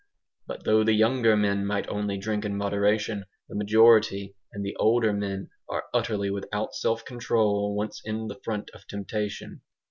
But though the younger men might only drink in moderation, the majority and the older men are utterly without self control once in the front of temptation.